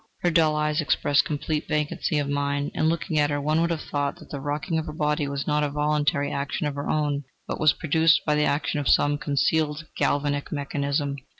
Her dull eyes expressed complete vacancy of mind, and, looking at her, one would have thought that the rocking of her body was not a voluntary action of her own, but was produced by the action of some concealed galvanic mechanism.